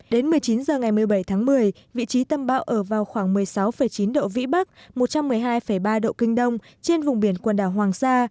đến một mươi chín h ngày một mươi bảy tháng một mươi vị trí tâm bão ở vào khoảng một mươi sáu chín độ vĩ bắc một trăm một mươi hai ba độ kinh đông trên vùng biển quần đảo hoàng sa